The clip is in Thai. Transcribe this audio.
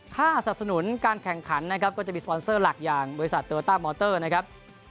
สนับสนุนการแข่งขันนะครับก็จะมีสปอนเซอร์หลักอย่างบริษัทโตโยต้ามอเตอร์นะครับ